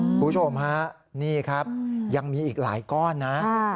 คุณผู้ชมฮะนี่ครับยังมีอีกหลายก้อนนะ